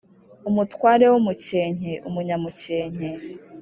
Umutware w umukenke Umunyamukenke